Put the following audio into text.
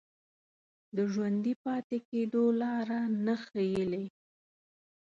د ژوندي پاتې کېدو لاره نه ښييلې